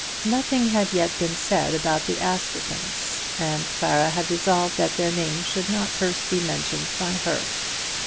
Nothing had been said as yet about the Askertons, and Clara had resolved that their name should not first be mentioned by her.